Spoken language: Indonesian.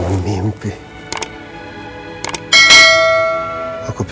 kenapa di mimpi itu